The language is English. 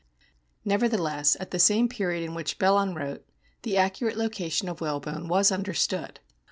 Nevertheless, at the same period at which Belon wrote the accurate location of whalebone was under stood.